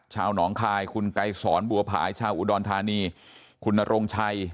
ชาวหนองคายคุณกัยสอนบัวผายชาวอุดอนทานีคุณนโรงชัย